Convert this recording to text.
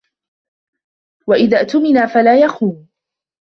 وَإِذَا اُؤْتُمِنَ فَلَا يَخُونُ